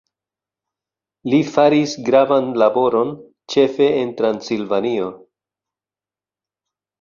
Li faris gravan laboron ĉefe en Transilvanio.